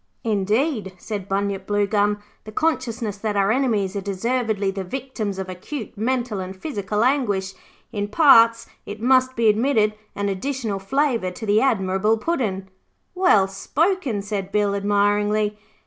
'Indeed,' said Bunyip Bluegum, 'the consciousness that our enemies are deservedly the victims of acute mental and physical anguish, imparts, it must be admitted, an additional flavour to the admirable Puddin'.' 'Well spoken,' said Bill, admiringly.